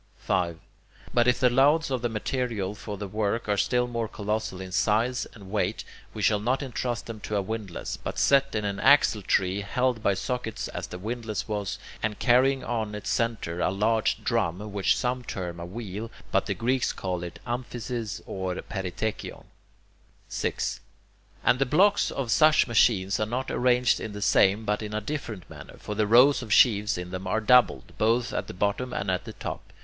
5. But if the loads of material for the work are still more colossal in size and weight, we shall not entrust them to a windlass, but set in an axle tree, held by sockets as the windlass was, and carrying on its centre a large drum, which some term a wheel, but the Greeks call it [Greek: amphiesis] or [Greek: perithekion]. 6. And the blocks in such machines are not arranged in the same, but in a different manner; for the rows of sheaves in them are doubled, both at the bottom and at the top.